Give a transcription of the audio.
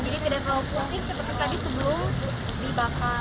jadi tidak terlalu putih seperti tadi sebelum dibakar